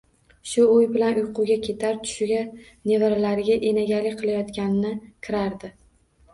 Shu o`y bilan uyquga ketar, tushiga nevaralariga enagalik qilayotgani kirardi